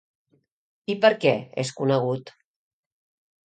I per què és conegut?